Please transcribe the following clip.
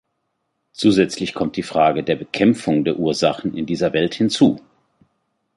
Zusätzlich kommt die Frage der Bekämpfung der Ursachen in dieser Welt hinzu.